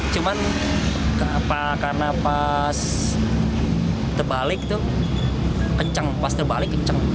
cuma karena pas terbalik tuh kenceng pas terbalik kenceng